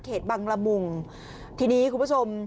บังละมุงทีนี้คุณผู้ชม